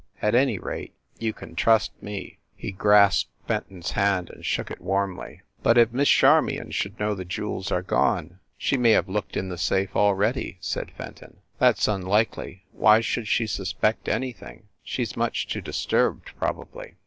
At any rate, you can trust me!" He grasped Fen ton s hand and shook it warmly. "But if Miss Charmion should know the jewels are gone? She may have looked in the safe al ready," said Fenton. "That s unlikely. Why should she suspect any thing? She s too much disturbed, probably."